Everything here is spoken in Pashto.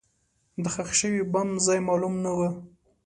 د ښخ شوي بم ځای معلوم نه و.